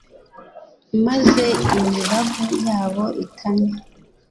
maze imibavu yabwo itame.